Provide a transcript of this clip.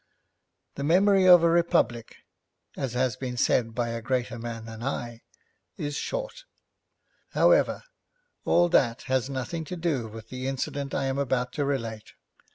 The memory of a republic, as has been said by a greater man than I, is short. However, all that has nothing to do with the incident I am about to relate.